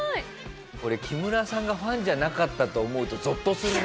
これ木村さんがファンじゃなかったと思うとゾッとするね。